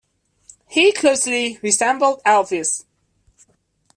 He closely resembled Elvis.